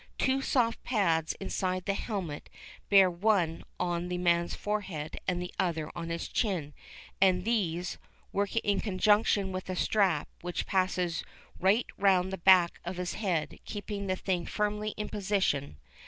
Two soft pads inside the helmet bear one on the man's forehead and the other on his chin, and these, working in conjunction with a strap which passes right round the back of his head, keep the thing firmly in position.